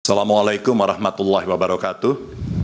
assalamu alaikum warahmatullahi wabarakatuh